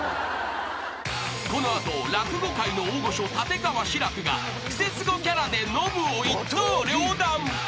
［この後落語界の大御所立川志らくがクセスゴキャラでノブを一刀両断］